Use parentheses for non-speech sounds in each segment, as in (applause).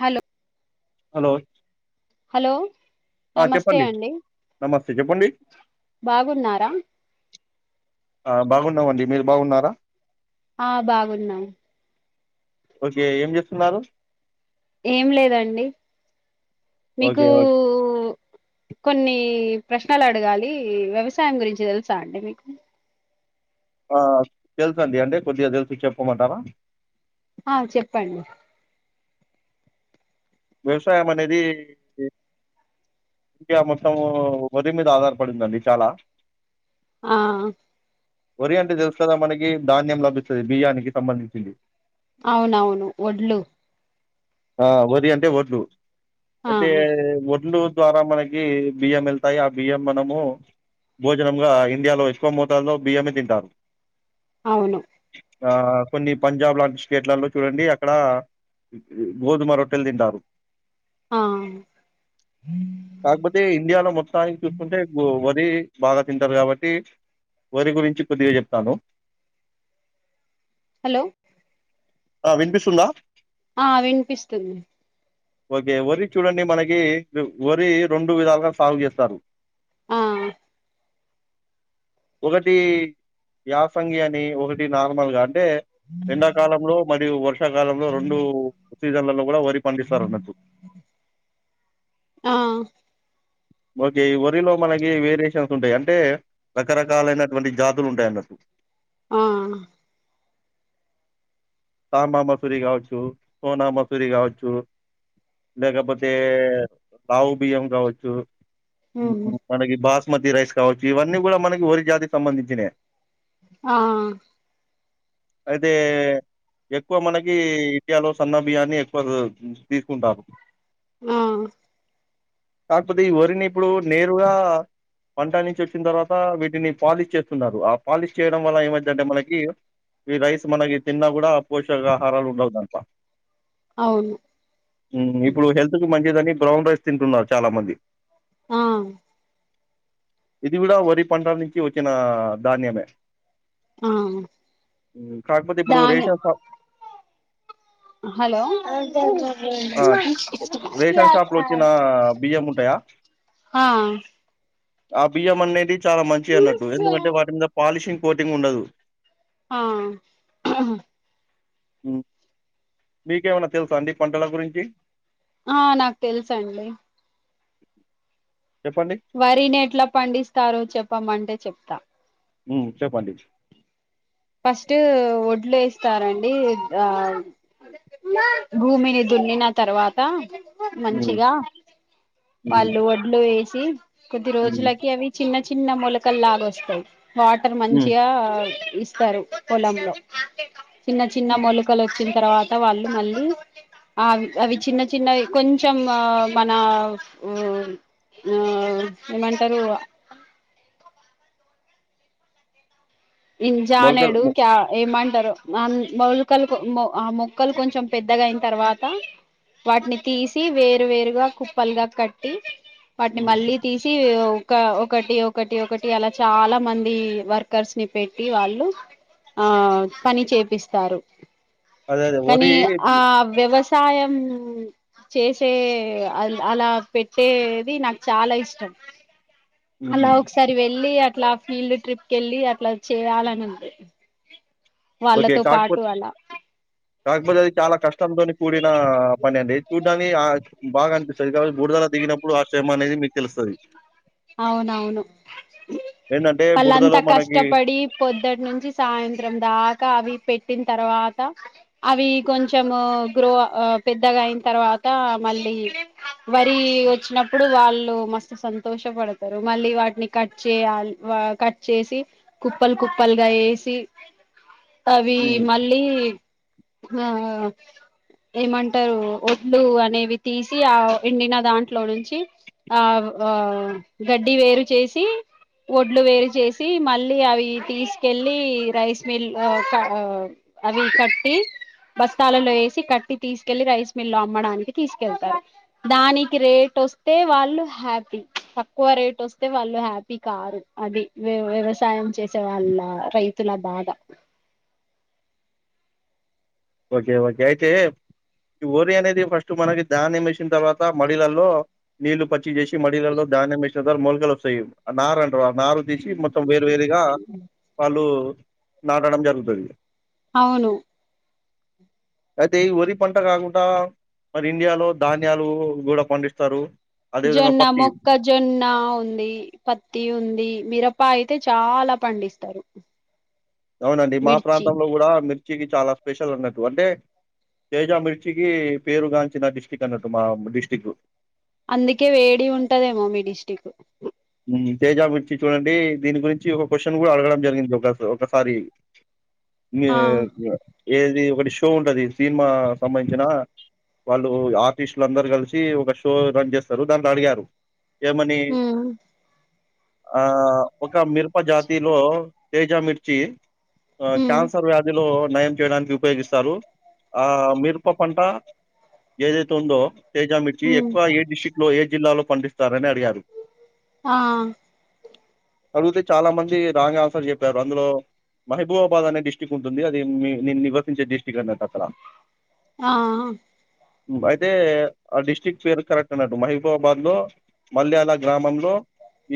Hello hello hello ఆ నమస్తే చెప్పండి అండి నమస్తే చెప్పండి బాగున్నారా ఆ బాగున్నామండి మీరు బాగున్నారా ఆ బాగున్నాం ఓకే ఏం చేస్తున్నారు ఏం లేదండి మీకు ఓకే ఓకే కొన్ని ప్రశ్నలు అడగాలి వ్యవసాయం గురించి తెలుసా అండి మీకు ఆ తెలుసు అండి అంటే కొద్దిగా తెలుసు చెప్పమంటారా ఆ చెప్పండి వ్యవసాయం అనేది ఇండియా మొత్తం వరి మీద ఆధారపడిందండి చాలా ఆ వరి అంటే తెలుసు కదా మనకి ధాన్యం లభిస్తుది బియ్యానికి సంబంధించింది అవునవును ఒడ్లు ఆ వది అంటే ఒడ్లు ఆ ఐతే ఒడ్లు ద్వారా మనకి బియ్యం వెళ్తాయి ఆ బియ్యం మనము భోజనంగా ఇండియాలో ఎక్కువ మోతాదులో బియ్యమే తింటారు అవును ఆ కొన్ని పంజాబ్ లాంటి స్టేట్లలో చూడండి అక్కడ గోధుమ రొట్టెలు తింటారు ఆ కాకపోతే ఇండియాలో మొత్తానికి చూసుకుంటే వరి బాగా తింటారు కాబట్టి వరి గురించి కొద్దిగా చెప్తాను హలో ఆ వినిపిస్తుందా ఆ వినిపిస్తుంది ఓకే వరి చూడండి మనకి వరి రెండు విధాలుగా సాగు చేస్తారు ఆ ఒకటి యాసంగి అని ఒకటి నార్మల్ గాన్ అంటే ఎండాకాలంలో మరియు వర్షాకాలంలో రెండు సీజన్లలో పండిత్ సార్ అనధు మ్ ఓకే వరిలో మనకి వేరియేషన్స్ ఉంటాయి అంటే రకరకాలైనటువంటి జాతులు ఉంటాయి అన్నట్టు మ్ తమామసూరి కావచ్చు సోనా మసూరి కావచ్చు లేకపోతే రావు బియ్యం కావచ్చు ఉమ్, మనకి బాస్ బస్మతి రైస్ కావచ్చు ఇవన్నీ కూడా మనకి వరి జాతికి సంబంధించినవే మ్మ్ అయితే ఎక్కువ మనకి ఇడియాలో సన్న బియాన్ని ఎక్కువ తీసుకుంటారు మ్ కాకపోతే ఈ వరిని ఇప్పుడు నేరుగా పంట కాకపొతె ఈ వరిని ఇపుడు నేరుగా పంటనుంచి వచ్చిన తర్వాత వీటిని పాలిష్ చేస్తున్నారు ఆ పాలిష్ చేయడం వల్ల ఏమైంది అంటెమనకి ఈ రైస్ మనకి తిన్నా కూడా పోషక ఆహారాలు ఉండవు దాంట్లో అవును మ్ ఇప్పుడు హెల్త్ కు మంచి ని బ్రౌన్ రైస్ తింటున్నారు చాలా మంది ఆమ్ ఇది కూడా వరి పంట నుంచి వచ్చినాధాన్యమే ఆ కాకపోతే ఇప్పుడు దాని రేషన్ షాపు హలో ఆ రేషన్ షాప్ లో వచ్చిన బియ్యం ఉంటాయా ఆ ఆ బియ్యమనేది చాలా మంచి అన్నట్టు ఎందుకంటే వాటి మీద పాలిషింగ్ పోటింగ్ ఉండదు మ్ ం అఓ (inaudible) మీకేమన్నా తెలుసా అండి పంటల గురించి ఆ నాకు తెలుస అండి చెప్పండి? వరిని ఎట్లా పండిస్తారో చెప్పు చెప్పమంటే చెప్తా మ్ చెప్పండి ఫస్ట్ వడ్లు వేస్తారండి ఆ భూమిని దున్నిన తర్వాత హ్మ్. మంచిగా హ్మ్. వాళ్ళు వడ్లు వేసి కొది హ్మ్. రోజులకి అవి చిన్న చిన్న మూలకల్లాగ వస్తాయి వాటర్ హ్మ్. మంచిగా వస్తారు పొలంలో చిన్న చిన్న హ్మ్. మొలకలు వచ్చ వచ్చిన తర్వాత వాళ్ళు మళ్ళీ ఆ అవి హ్మ్. చిన్న చిన్నయి కొంచెం ఆ మన ఉఁ ఉఁ ఏమంటరు? ఇం మొలకలు జానెడు మొ క్య ఏమం టరు ఆ మొలకలకు ఆ మొక్కలు కొంచెం పెద్దగా అయిన తర్వాత, వాటిని తీసి వేరు వేరుగా కుప్పలుగా కట్టి, వాటిని హ్మ్. మళ్ళీ తీసీ ఒక ఒకటి ఒకటి ఒకటి అలా చాలా మంది వర్కర్స్ ని పెట్టి వాళ్ళు ఆ పని చేపిస్తారు. అదే అదే వరి కనీ ఆ వ్యవస్ సాయం చేసే అ అలా పెట్టేది నాకు చాలా ఇష్టం. అలా హుహు. ఒకసారి వెళ్ళీ అ అట్లా ఫీల్డ్ ట్రిప్కీ ఎళ్ళి అట్లా చెయ్యాలనుంది. ఓకే. వాళ్ళతో పాటు కాకపోతే అలా కాకపోతే అది చాలా కష్టం తోని కూడినా పని అండి చూడ్డానికి ఆ బాగా అనిపిస్తది కాపోతె బుడుదల దిగినప్పుడు ఆ శ్రమ అనేది మీకు తెలుస్తది. అవునవును. ఏంటంటే వాళ్ళు బురదలో అంతా మనకి కష్టపడి పొద్దటి నుంచి సాయంత్రం దాక్ కా అవి పెట్టిన తర్వాత అవి కొంచెం గ్రో ఆ పెద్దగా అయిన తర్వాత మళ్ళీ వరి వచ్చినప్పుడు వాళ్ళు మస్తు సం తోష పడతారు మళ్ళీ వాటిని కట్ చేయల్ వా కట్ చేసి కుప్పలు కుప్పల్గా ఏసి, అవీ హ్మ్. మళ్ళీ ఆఆ ఏమంటారు ఒడ్లు అనేవి తీసి, ఆ ఎండిన దాంట్లో నుంచి ఆ ఆ గడ్డి వేరు చేసి, ఒడ్లు వేరు చేసి, మళ్ళీ అవి తీసుకెళ్ళి రైస్ మిల్ ఆ క అవి కట్టి బస్తాలలో వేసి, కట్టి తీసుకెళ్ళి రైస్ మిల్ అమ్మడానికి తీసుకెళ్తారు. దానికి రేట్ వస్తే వాళ్ళు హ్యా పి తక్కువ రేట్ వస్తే వాళ్ళు హ్యాపీ కారు, అది వ్య వ్యవసాయం చేసే వాళ్ళ రైతుల బాధ. ఓకే ఓకే అయితే ఈ వరి అనేది ఫస్ట్ మనకి ధాన్యం వేసిన తర్వాత మడిలల్లో నీళ్ళు పచ్చిగ చేసి మడిలల్లో ధాన్యం వేసిన తర్ మొలకలు వస్తయి. నార అం టరు నారు తీసి మొత్తం వేరు వేరుగా వాళ్ళూ నాటడం జరుగుతది. అవును అయితే ఈ వరి పంట కాకుంట మరి ఇండియాలో ధాన్యాలు కూడా పండిస్తారు. అదేవిధంగా జొన్న, పత్తి మొక్క జొన్నా ఉంది. పత్తి ఉంది. మీరపా కి చాల పండిస్తారు. అవునండి మా మిర్చి ప్రాంతంలో కూడా మిర్ చికి చాలా స్పెషల్ అన్నట్టు అంటే తేజా మిర్చికి పేరు గాంచిన డిస్టిక్ అన్నట్టు మా డిస్టిక్. అందుకే వేడి ఉంటదేమో మీ డిస్టిక్! మ్ తేజా మిర్చి చూడండి, దీని గురించి ఒక క్వశ్చన్ కూడా అడగడం జరిగింది ఒక ఒకసారి! నే ఆ గా ఏది ఒకటి షో ఉండది సినిమా సంబంధించిన వాళ్ళు ఆర్టిస్టులు, అందరు కలిసి ఒక షో రన్ చేస్తరు దాంట్ల అడిగారు. ఏమని హ్మ్ ఆ ఒక మిరప జాతిలో తేజ మిర్చి ఆ ఉమ్ క్యాన్సర్ వ్యాధిలో నయం చేయడానికి ఉపయోగిస్తారు. ఆ మిరప పంట ఏదైతే ఉందో తేజామిిర్చి ఉమ్ ఎక్కువ ఏ డిస్టిక్ లో ఏ జిల్లాలో పండిస్తారని అడిగారు ఆహ్ అడుగుతే చాలా మంది రాంగ్ ఆన్సర్ చెప్పారు. అందులో మహబూబాబాద్ అనే డిస్టిక్ట్ ఉంటుంది. అది మీ నేను నివసించే డిస్టిక్ అన్నట అక్కడ ఆహ్ హ అయితే ఆ డిస్టి్రిక్ట్ పేరు కరెక్ట్ అన్నట్టు. మహూబాబాద్ లో మల్యాల గ్రామం లో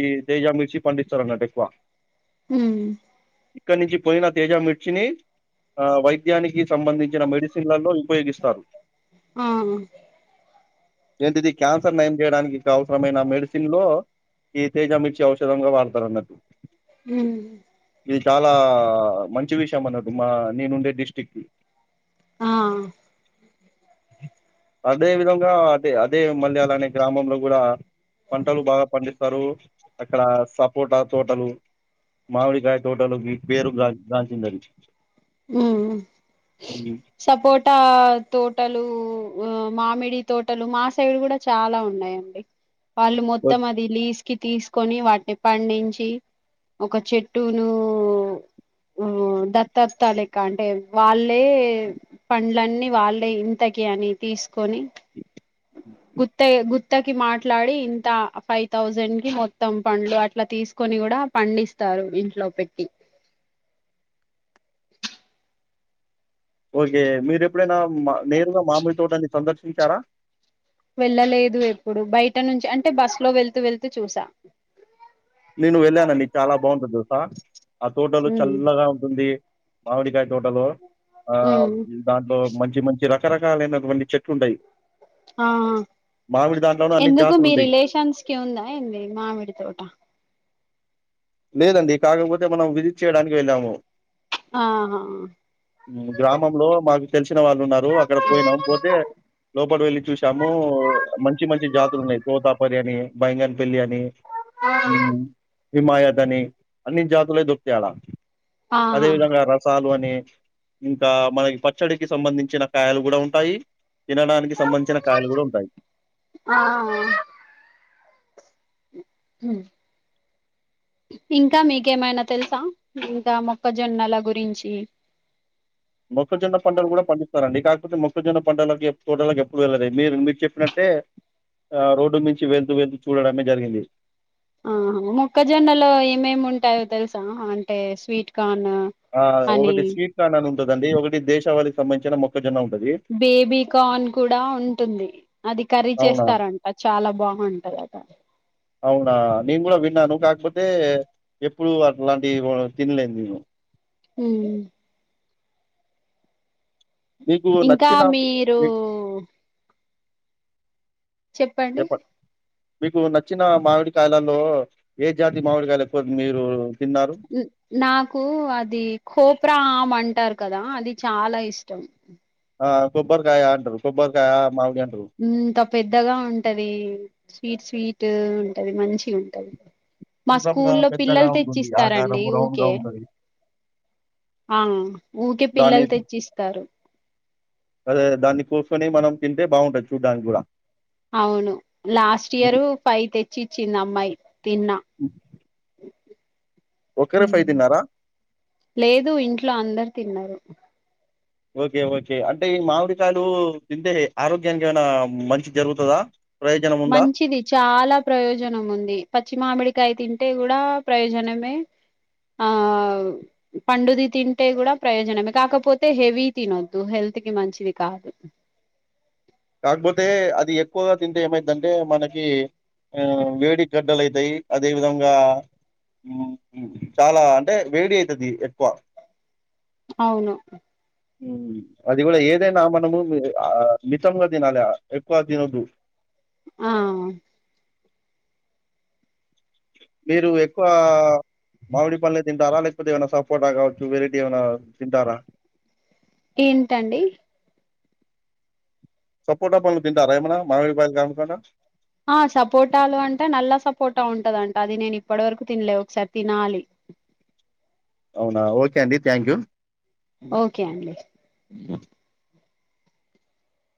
ఈ తేజ మర్చి పండిస్తారు అన్నట ఎక్కువ. ఉహ్మ్ ఇక్కడి నుంచి పోొయిన తేజ మిర్చిని. ఆ వైద్యానికి సంబంధించిన మెడిసిన్లలో ఉపయోగిస్తారు. ఆహ్ ఏంటిది క్యాన్సర్ నయం చేయడానికి అవసరమైన మెడిసిన్ లో ఈ తేజ మిర్చి ఔషధంగా వాడతారన్నాటు. ఉహ్మ్ ఇది చాలా మంచి విషయం అన్నటు. మా నేను ఉండే డిస్టిక్ కి ఆహ్ అదే విధంగా అదే అదే మళ్ళ అలానే గ్రామంలో కూడా. పంటలు బాగా పండిస్ స్తారు. అక్కడ సపోటా తోటలు, మామిడికాయ తోటలు, విత్ పేరు గా గాంచిందది. ఉహ్మ్ సపోటా తోటలు ఆ మామిడి తోటలు మా సైడ్ కూడా చాలా ఉన్నాయండి. వాళ్ళు ఓ మొత్తం అది లీస్ కి తీసుకొని వాటిని పండించి. ఒక చెట్టును ఉహ్ దత్తత్ లేక్క అంటే వాళ్ళే పండ్లన్నీ వాళ్ళే ఇంతకి అని తీసుకొని గుత్తగే గు తకి మాట్లాడి. ఇంత ఫైవ్ థౌజండ్ కి మొత్తం పండ్లు అట్లా తీసుకొని కూడా పండిస్తారు. ఇంట్లో పెట్టి ఓకే మీరు ఎప్పుడైనా మా నేరుగా మామిడి తోటన్ని సందర్శించారా. వెళ్ళలేదు ఎప్పుడు. బయట నుంచి అంటే బస్ లో వెళ్తూ వెళ్తూ చూసా. నేను వెళ్ళానండి. చాలా బావుంటది దెల్స ఆ తోటలు ఉమ్ చల్లగా ఉంటుంది. మావిడికాయ్ తోటలో. ఆ ఉమ్ దాంట్లో మంచి మంచి రక్ రకరకాలైనట్వంటీ చెట్లు ఉంటాయి. ఆ దాంట్లోనే అన్ని ఎందుకు మీ జాతులుంటాయి. రిలేషన్స్ కి ఉందా ఎంది. మామిడి తోట లేదండి. కాకపోతే మనం విజిట్ చేయడానికి వెళ్ళాము. ఆహా ఉహ్ గ్రామంలో మాకు ల్సినా వాళ్ళు ఉన్నారు. అక్కడ పోయినాం పోతే లోపలి వెళ్లి చూసాము. మంచి మంచి జా తులునాయి. తోతాపర్యాని, బంగన్ బిన్యానీ ఆహా హిమాయల్ కని అన్ని జాతులే దొకుతయి అలా ఆహా అదే విధంగ రసాలు అని లె ఇంకా మనకి పచ్చడికి సంబంధించిన కాయలు కూడ ఉంటాయి తినడానికి సంబంధించిన కాయలు కూడ ఉంటాయి ఆ ఇంక మీకేమైన తెలుస ఇంక మొక్కజొన్నల గురించి మొక్కజొన్న పంటలు కూడా పండిస్తారంండి కాకపోతే మొక్కజొన్న పంటలకి తోటలకి ఎప్పుడు వెళ్ళలే మీరు మీరు చెప్పినట్టే ఆ రోడ్డు నుంచి వెళ్తూ వెళ్తూ చూడడమే జరిగింది ఆహ మొక్కజొన్నలో ఏమేమి ఉంటాయో తెలుసా అవంటే స్వీట్ గా ఆ ఒకటి స్వీట్ కాన్ ఉ లెదండి ఒకటి దేశావనికి సంబంధించిన మొక్కజన్న ఉంటంది బేబి కార్న్ కూడా ఉ టుంది అది కర్రీ అవునా? చేస్తారంట చాల బాగుంటదట అవునా? నేను కూడా విన్నాను కాకపోతే ఎప్పుడుూ అట్లాంటి తిన్లేదు నేను ఉ మీకు ఇంకా నచ్చిన మీరూ మీకు చెప్పండి మీకు నచ్చిన మామిడి కాయల మేము ఏ జాతి మామిడికాయలు ఎక్కువ మీరు తిన్నారు న్ నాకు అది కోోప్రా ఆమ్ అంటారు కదా అది చాల ఇష్టం ఆ కొబ్బరికాయ అంటరు కొబ్బరికాయ మామిడి అంటారు ఇంత పెద్దగా ఉంటది స్వీట్ స్వీట్ ఉంటంది మంచిగ్ ఉంటది మా గుండ్రంగా స్కూల్లో పెద్దగా పిల్లలు ఉంటుంది తెచ్చిస్తారండి ఆకారము రౌండ్ గా ఊకే ఉంటది ఆ ఊకే దాని పిల్లలు తెచ్చిస్తారు అదే దాన్ని కోసుని మనం తింటే బాగుండదె చుడ్డానికి కూడా అవును లాస్ట్ ఇయరు ఫైవ్ తెచ్చి ఇచ్చింది అమ్మాయి ఇ తిన్నా ఒకరే ఫైవ్ ఊహు తిన్నారా లేదు ఇంట్లో అందరు తిన్నారు ఓకె ఓకె అంటే ఈ మామిడికాయలు తింటే ఆరోగ్యానికి ఏమైనా మంచి జరుగుతదా ప్రయోజనం ఉందా మంచిది చాల ప్రయోజనము ఉంది పశ్చి మామెేడి కాయ తింటే కూడా ప్రయోజనమే ఆ పండుది తింటే కూడా ప్రయోజనమే కాకపోతే హెవీ తినొద్దు హెల్త్ కి మంచిది కాదు కాకపోతే అది ఎక్కువగా తింటే ఏమైద్దంటే మనకి ఆ వేడి గడ్డలు అయితాయి అదే విధంగా చాల అంటే వేడి అయితది ఎక్కువ అవును అది కూడ ఏదైనా మనము మితి ఇష్టంగ తినాా లె ఎకువ తినొద్దు ఆ మీరు ఎక్కువ మామిడి పండులు తింటారా లేకపోతే ఏమైనా సపోర్టా కావచ్చు వెరైటీ ఏమైన తింటార ఏంటండి సపోట పలల్ తింటారా ఏమనా మామవి బయలు కాడా ఆ సపోటాలు అంటే నల్ల సపోటా ఉంటదంట అది నేను ఇప్పటి వరకు తినలే ఒకసారి తినాలి అవునా ఓకే అండి థ్యాంక్ యూ ఓకే అండి ఇ